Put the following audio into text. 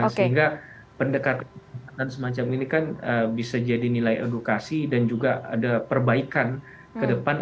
sehingga pendekatan pendekatan semacam ini kan bisa jadi nilai edukasi dan juga ada perbaikan ke depan